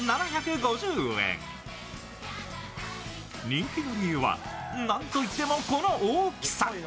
人気の理由は何といってもこの大きさ。